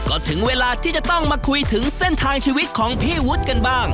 ก็ถึงเวลาที่จะต้องมาคุยถึงเส้นทางชีวิตของพี่วุฒิกันบ้าง